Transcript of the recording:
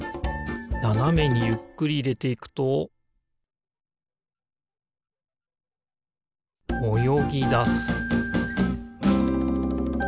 ななめにゆっくりいれていくとおよぎだす